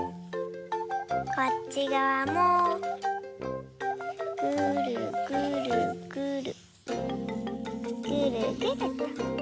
こっちがわもぐるぐるぐるぐるぐると。